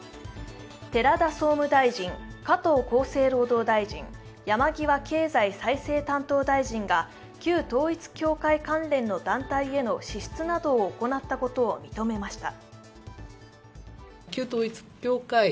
寺田総務大臣、加藤厚生労働大臣、山際経済再生担当大臣が旧統一教会関連の団体への支出などを行ったことを認めました。